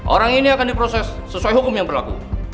orang ini akan diproses sesuai hukum yang berlaku